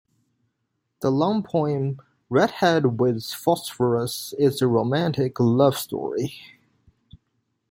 The long poem "Red-Head with Phosphorus" is a romantic love story.